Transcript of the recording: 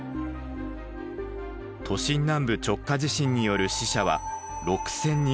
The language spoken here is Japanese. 都心南部直下地震による死者は６，０００人以上。